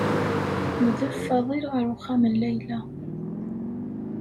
Yudef Fadil ɣer uxxam n Layla.